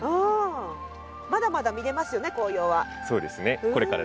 まだまだ見れますよね、紅葉は。